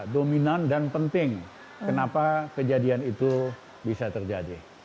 dominan dan penting kenapa kejadian itu bisa terjadi